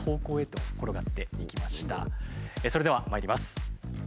それではまいります。